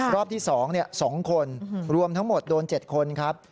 รอบที่๒๒คนรวมทั้งหมดโดน๗คนครับ